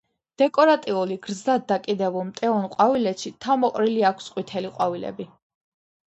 დეკორატიული, გრძლად დაკიდებულ მტევან ყვავილედში თავმოყრილი აქვს ყვითელი ყვავილები.